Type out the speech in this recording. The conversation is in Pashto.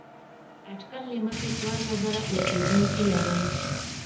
اټکل له مخې څوارلس زره اوسېدونکي لرل.